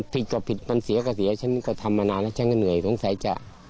ผิดก็ผิดมันเสียก็เสียฉันก็ทำมานานแล้วฉันก็เหนื่อยสงสัยจะ